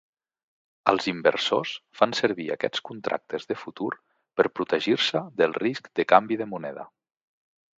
Els inversors fan servir aquests contractes de futurs per protegir-se del risc de canvi de moneda.